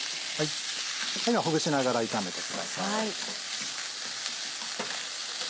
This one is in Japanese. ほぐしながら炒めてください。